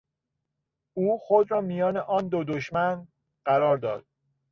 او خود را میان آن دو دشمن قرار داد.